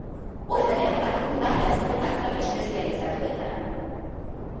Horrez gainera, artikulu ugari idatzi zituen aldizkari espezializatuetan.